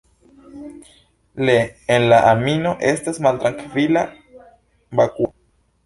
Ie en la animo estas maltrankvila vakuo.